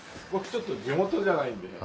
僕ちょっと地元じゃないんで。